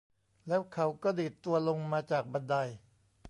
แล้วเขาก็ดีดตัวลงมาจากบันได